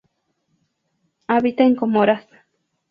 Habita en Comoras.